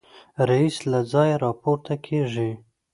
رییس له ځایه راپورته کېږي.